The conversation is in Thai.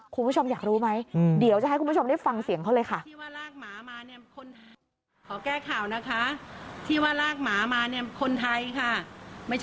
คุณผู้ชมอยากรู้ไหมเดี๋ยวจะให้คุณผู้ชมได้ฟังเสียงเขาเลยค่ะ